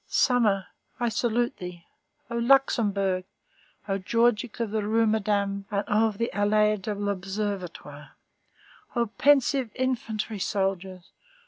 Summer, I salute thee! O Luxembourg! O Georgics of the Rue Madame, and of the Allée de l'Observatoire! O pensive infantry soldiers!